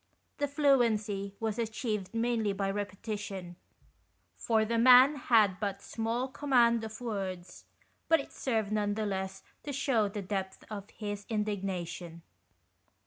The fluency was achieved mainly by repetition, for the man had but small command of words, but it served none the less to shew the depth of his indig nation.